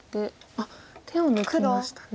あっ手を抜きましたね。